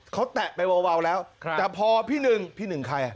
เขาแตะไปวาวแล้วแต่พอพี่หนึ่งพี่หนึ่งใครอ่ะ